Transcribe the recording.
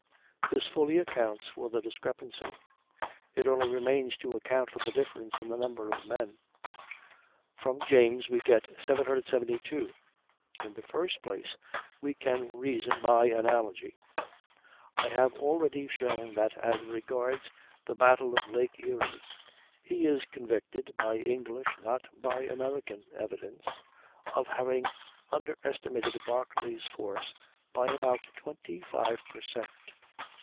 This fully accounts for the discrepancy. It only remains to account for the difference in the number of men. From James we can get 772. In the first place, we can reason by analogy. I have already shown that, as regards the battle of Lake Erie, he is convicted (by English, not by American, evidence) of having underestimated Barclay's force by about 25 per cent.